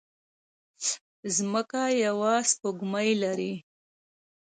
ځمکه يوه سپوږمۍ لري